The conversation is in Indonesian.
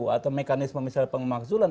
atau mekanisme misalnya pemakzulan